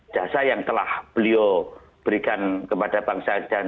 dan jasa yang telah beliau berikan kepada bangsa dan negara